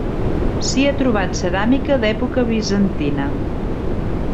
S'hi ha trobat ceràmica d'època bizantina.